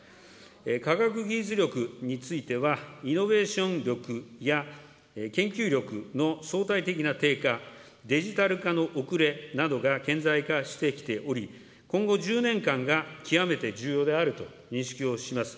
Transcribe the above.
科学技術力については、イノベーション力や研究力の相対的な低下、デジタル化の遅れなどが顕在化してきており、今後１０年間が極めて重要であると認識をします。